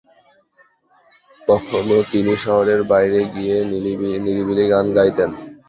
কখনো তিনি শহরের বাইরে গিয়ে নিরিবিলি গান গাইতেন।